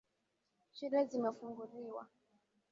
Shule zimefunguliwa